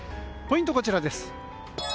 ポイントは、こちらです。